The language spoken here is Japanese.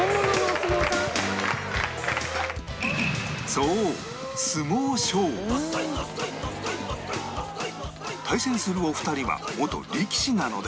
そう対戦するお二人は元力士なので